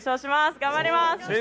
頑張ります！